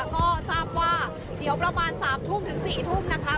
ก็ทราบว่าเดี๋ยวประมาณ๓ทุ่มถึง๔ทุ่มนะคะ